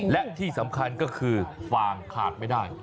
และที่สำคัญก็คือฟางขาดไม่ได้